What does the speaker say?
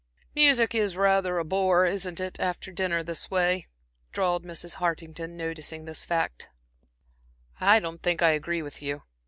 "Music is rather a bore isn't it after dinner this way," drawled Mrs. Hartington, noticing this fact. "I don't think I agree with you.